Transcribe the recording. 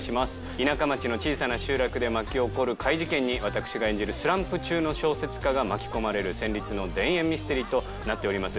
田舎町の小さな集落で巻き起こる怪事件に私が演じるスランプ中の小説家が巻き込まれる戦慄の田園ミステリーとなっております。